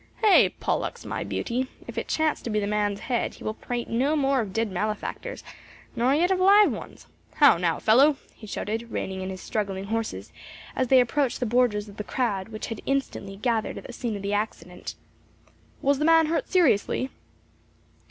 Hey! Pollux, my beauty? If it chanced to be the man's head he will prate no more of dead malefactors nor yet of live ones. How now, fellow!" he shouted, reining in his struggling horses as they approached the borders of the crowd which had instantly gathered at the scene of the accident. "Was the man hurt seriously?"